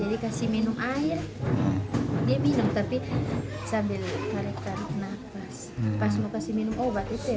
pas mau kasih minum obat itu ya dia tidak mau lah